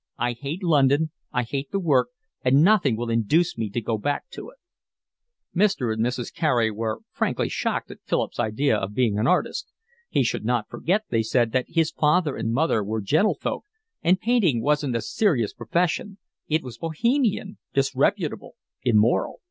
I hate London, I hate the work, and nothing will induce me to go back to it." Mr. and Mrs. Carey were frankly shocked at Philip's idea of being an artist. He should not forget, they said, that his father and mother were gentlefolk, and painting wasn't a serious profession; it was Bohemian, disreputable, immoral.